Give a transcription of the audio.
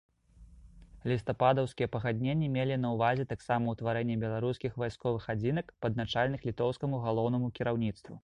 Лістападаўскія пагадненні мелі на ўвазе таксама ўтварэнне беларускіх вайсковых адзінак, падначаленых літоўскаму галоўнаму кіраўніцтву.